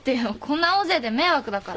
こんな大勢で迷惑だから。